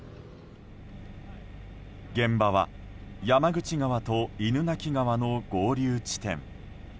現場は山口川と犬鳴川の合流地点。